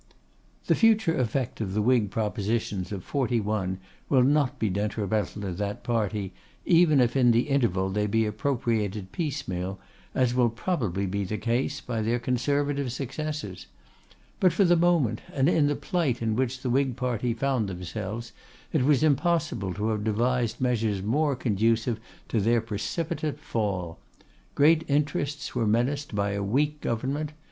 The future effect of the Whig propositions of '41 will not be detrimental to that party, even if in the interval they be appropriated piecemeal, as will probably be the case, by their Conservative successors. But for the moment, and in the plight in which the Whig party found themselves, it was impossible to have devised measures more conducive to their precipitate fall. Great interests were menaced by a weak government.